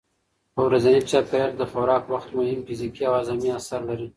په ورځني چاپېریال کې د خوراک وخت مهم فزیکي او هاضمي اثر لري.